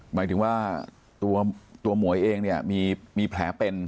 หมายถึงว่าตัวหมวยเองเนี่ยมีแผลเป็น